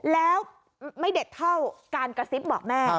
แล้วไม่เด็ดเท่าการกระซิบบอกแม่